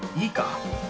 いいか？